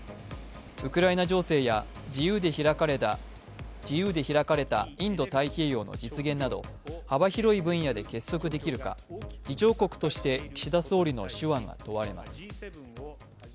ウクライナ情勢や自由で開かれたインド太平洋の実現など幅広い分野で結束できるか、議長国として岸田総理の手腕が問われます。